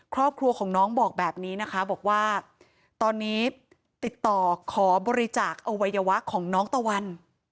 ครอบครัวของน้องบอกแบบนี้นะคะบอกว่าตอนนี้ติดต่อขอบริจาคอวัยวะของน้องตะวัน